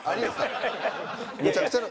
むちゃくちゃな。